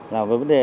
là với vấn đề